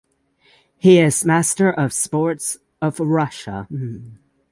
He is Master of Sports of Russia.